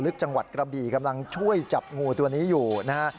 จังหวัดกระบี่กำลังช่วยจับงูตัวนี้อยู่นะฮะ